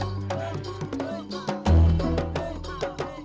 kok murah lagi bekas